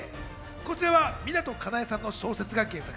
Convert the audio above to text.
こちらは湊かなえさんの小説が原作。